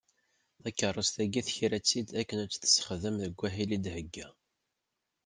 Takerrust-agi, tekra-tt-id akken a tt-tessexdem deg wahil i d-thegga.